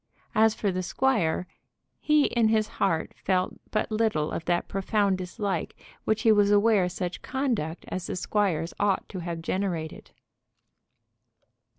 And for the squire, he in his heart felt but little of that profound dislike which he was aware such conduct as the squire's ought to have generated.